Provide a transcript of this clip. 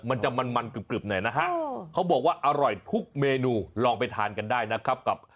มันจะมันกรึบหน่อยนะฮะเขาบอกว่าอร่อยทุกเมนูลองไปทานกันได้นะครับกับ